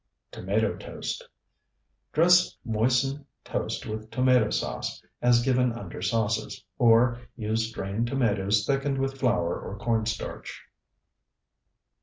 TOMATO TOAST Dress moistened toast with tomato sauce, as given under sauces; or use strained tomatoes thickened with flour or corn starch.